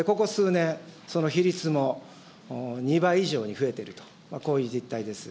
ここ数年、その比率も２倍以上に増えていると、こういう実態です。